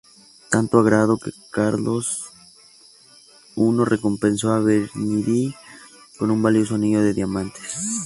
Tanto agradó que Carlos I recompensó a Bernini con un valioso anillo de diamantes.